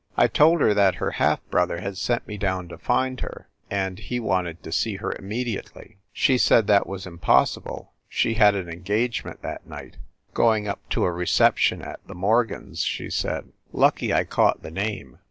I told her that her half brother had sent me, down to find her, and he wanted to see her immediately. She said that was impossible ; she had an engagement that night go ing up to a reception at the Morgans , she said. Lucky I caught the name.